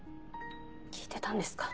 聞いてたんですか？